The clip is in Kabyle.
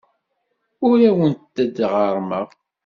Ur awent-d-ɣerrmeɣ.